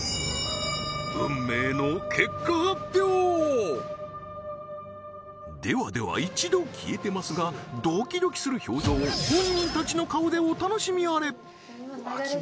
運命のではでは一度消えてますがドキドキする表情を本人たちの顔でお楽しみあれ